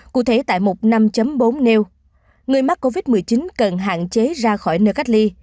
cụ thể tại mục năm bốn nêu người mắc covid một mươi chín cần hạn chế ra khỏi nơi cách ly